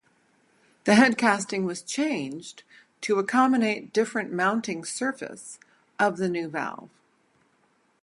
The head casting was changed to accommodate different mounting surface of the new valve.